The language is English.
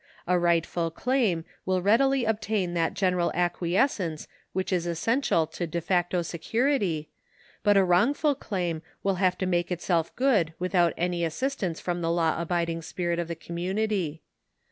A rightful claim will readily obtain that general acquiescence which is essential to de facto security, but a wrongful claim will have to make itself good without any assistance from the law abiding spirit of the community.